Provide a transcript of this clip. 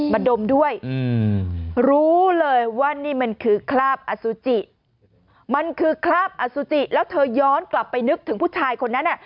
ดมด้วยรู้เลยว่านี่มันคือคราบอสุจิมันคือคราบอสุจิแล้วเธอย้อนกลับไปนึกถึงผู้ชายคนนั้น